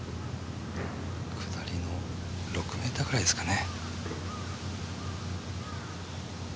下りの６ｍぐらいですかね。